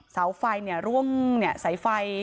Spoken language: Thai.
เสาไฟเนี่ยร่วงเนี่ยใส่ไฟ